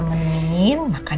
gak ada apa apa